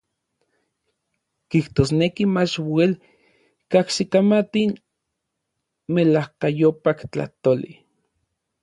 Kijtosneki mach uel kajsikamati n melajkayopaj tlajtoli.